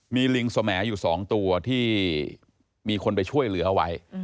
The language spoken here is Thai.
มีลิงสมอยู่๒ตัวที่มีคนไปช่วยเหลือไว้